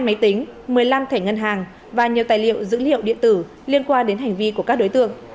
máy tính một mươi năm thẻ ngân hàng và nhiều tài liệu dữ liệu điện tử liên quan đến hành vi của các đối tượng